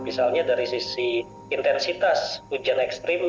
misalnya dari sisi intensitas hujan ekstrim